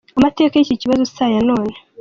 Amateka y’iki kibazo si aya none.